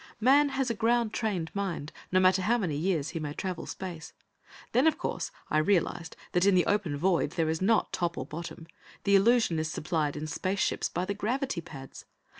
Man has a ground trained mind, no matter how many years he may travel space. Then, of course, I realized that in the open void there is not top nor bottom; the illusion is supplied, in space ships, by the gravity pads.